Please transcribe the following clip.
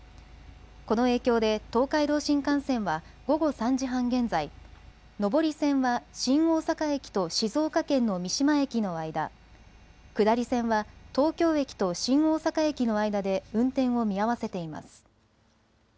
この影響で東海道新幹線は午後３時半現在、上り線は新大阪駅と静岡県の三島駅の間、下り線は東京駅と新大阪駅の間で運転を見合わせています。